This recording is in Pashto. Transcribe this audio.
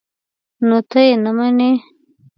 _نو ته يې نه منې؟